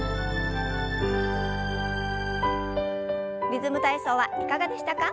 「リズム体操」はいかがでしたか？